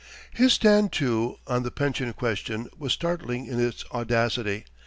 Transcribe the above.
His stand, too, on the pension question was startling in its audacity.